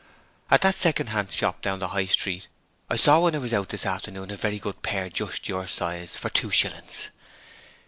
'At that second hand shop down in High Street I saw when I was out this afternoon a very good pair just your size, for two shillings.'